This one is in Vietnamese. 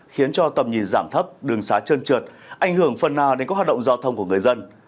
khiến cho tầm nhìn giảm thấp đường xá trơn trượt ảnh hưởng phần nào đến các hoạt động giao thông của người dân